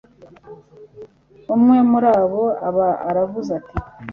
umwe muribo aba aravuze ati